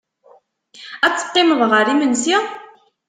Ad teqqimeḍ ɣer imensi?